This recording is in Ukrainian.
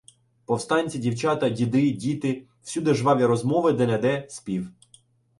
Повстанці, дівчата, діди, діти — всюди жваві розмови, де-не-де спів.